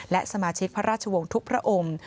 และสมาชิกพระราชวงศ์ทุกพระองค์